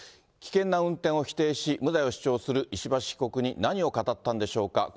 危険な運転を否定し、無罪を主張する石橋被告に何を語ったんでしょうか。